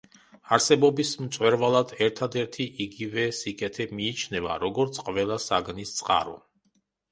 არსებობის მწვერვალად ერთადერთი იგივე სიკეთე მიიჩნევა, როგორც ყველა საგნის წყარო.